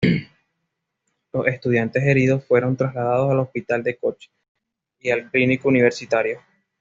Los estudiantes heridos fueron trasladados al hospital de Coche y al Clínico Universitario.